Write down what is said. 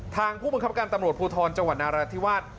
ผู้บังคับการตำรวจภูทรจังหวัดนาราธิวาส